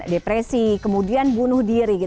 depresi kemudian bunuh diri